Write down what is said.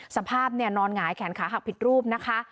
สภาพนอนหงายแขนขาหักผิดรูปนะคะ